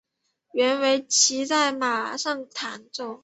原为骑在马上弹奏。